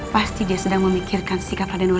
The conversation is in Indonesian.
pasti dia sedang memikirkan sikap radenwa